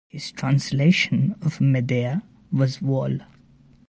His translation of "Medea" was vol.